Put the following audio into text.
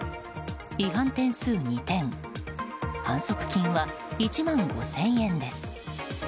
違反点数２点反則金は１万５０００円です。